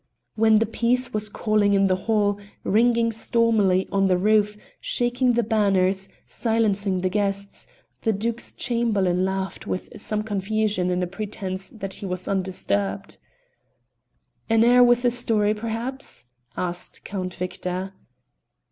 When the piece was calling in the hall, ringing stormily to the roof, shaking the banners, silencing the guests, the Duke's Chamberlain laughed with some confusion in a pretence that he was undisturbed. "An air with a story, perhaps?" asked Count Victor.